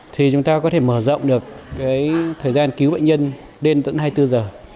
thì chúng ta có thể mở rộng được thời gian cứu bệnh nhân đến tận hai mươi bốn giờ